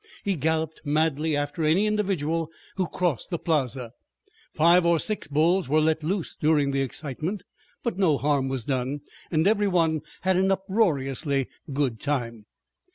He galloped madly after any individual who crossed the plaza. Five or six bulls were let loose during the excitement, but no harm was done, and every one had an uproariously good time.